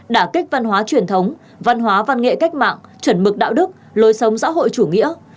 đả kích văn hóa truyền thống văn hóa văn nghệ cách mạng chuẩn mực đạo đức lối sống xã hội chủ nghĩa